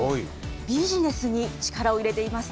ビジネスに力を入れています。